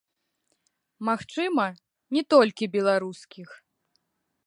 Магчыма, не толькі беларускіх.